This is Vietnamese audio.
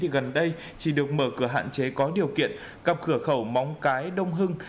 gần đây chỉ được mở cửa hạn chế có điều kiện cặp cửa khẩu móng cái đông hưng